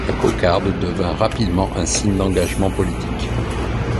La cocarde devient rapidement un signe d'engagement politique.